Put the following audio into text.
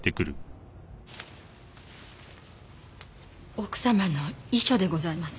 奥様の遺書でございます。